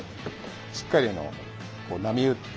しっかりこう波打って。